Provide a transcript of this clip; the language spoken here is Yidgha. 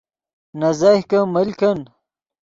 نے زیہکے مل کن